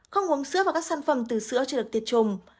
không uống sữa và các sản phẩm từ sữa chưa được tiệt trùng